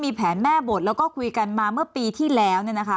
มีแผนแม่บทแล้วก็คุยกันมาเมื่อปีที่แล้ว